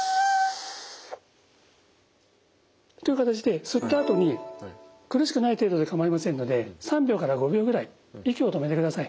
という形で吸ったあとに苦しくない程度で構いませんので３秒から５秒ぐらい息を止めてください。